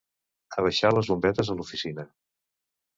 Abaixar les bombetes a l'oficina.